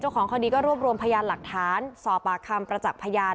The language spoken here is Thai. ของคดีก็รวบรวมพยานหลักฐานสอบปากคำประจักษ์พยาน